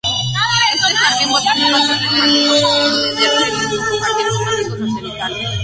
Este jardín botánico administra al Jardín Botánico de Darjeeling, como jardín botánico satelital.